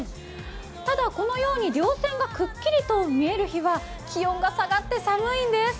ただ、このように稜線がくっきりと見える日は気温が下がって寒いんです。